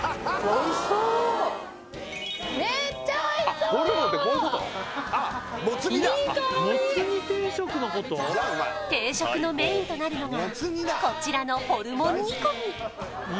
いい香り定食のメインとなるのがこちらのホルモン煮込み